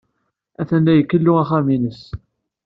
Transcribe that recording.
Atan la ikellu axxam-nnes.